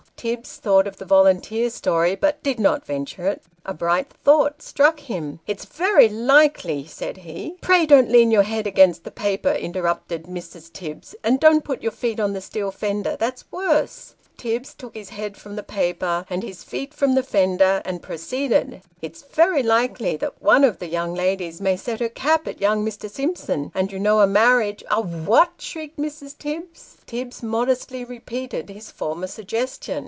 Tibbs thought of the volunteer story, but did not venture it. A bright thought struck him " It's very likely " said he. "Pray don't lean your head against the paper," interrupted Mrs. Tibbs; "and don't put your feet on the steel fender; that's worse." Tibbs took his head from the paper, and his feet from the fender, and proceeded. " It's very likely one of the young ladies may set her cap at young Mr. Simpson, and you know a marriage " The Boarders. 207 " A what !" shrieked Mrs. Tibbs. Tibbs modestly repeated his former suggestion.